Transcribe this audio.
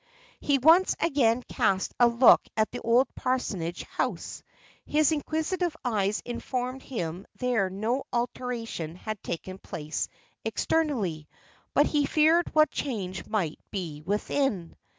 He once again cast a look at the old parsonage house: his inquisitive eye informed him there no alteration had taken place externally; but he feared what change might be within.